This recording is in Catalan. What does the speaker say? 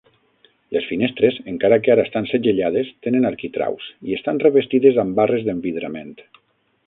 Les finestres, encara que ara estan segellades, tenen arquitraus i estan revestides amb barres d'envidrament.